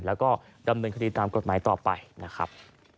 แล้วก็ดำเนินคดีตามกฎหมายต่อไปนะครับ